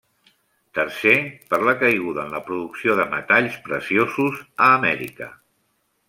Tercer, per la caiguda en la producció de metalls preciosos a Amèrica.